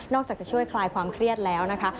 อกจากจะช่วยคลายความเครียดแล้วนะคะ